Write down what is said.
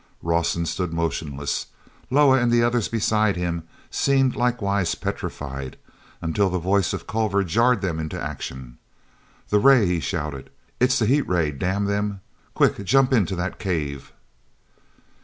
Rawson stood motionless. Loah, and the others beside him, seemed likewise petrified, until the voice of Culver jarred them into action. "The ray!" he shouted. "It's the heat ray, damn them! Quick, jump into that cave!"